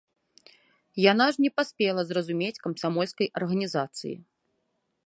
Яна ж не паспела зразумець камсамольскай арганізацыі.